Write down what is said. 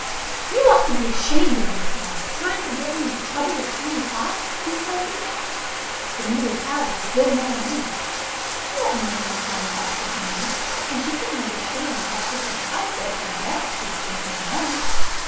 "You ought to be ashamed of yourself trying to get me into trouble with Tommy Fox!" he scolded. The Muley Cow was still more amazed. She hadn't mentioned Tommy Fox's name; and she couldn't understand how Turkey Proudfoot had guessed who the gentleman was.